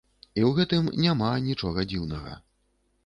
І ў гэтым няма анічога дзіўнага.